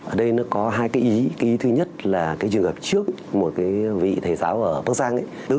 ở đây nó có hai cái ý cái thứ nhất là cái trường hợp trước một cái vị thầy giáo ở bắc giang ấy